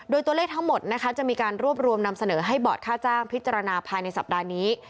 โดยตัวเลขทั้งหมดนะคะจะมีการรวบรวมนำเสนอให้บอร์ดค่าจ้างพิจารณาภายในสัปดาห์นี้